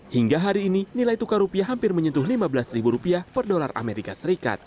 hingga hari ini nilai tukar rupiah hampir menyentuh lima belas rupiah per dolar as